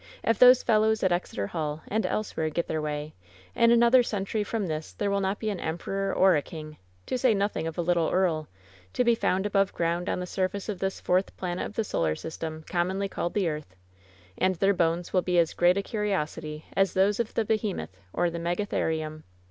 If those fellows at Exeter Hall, and elsewhere, get their way, in another century from this there will not be an emperor or a king, to say nothing of a little earl, to be found above ground on the surface of this fourth planet of the solar system commonly called the earth, and their bones will be as great a curiosity as those of the behemoth or the megatherium.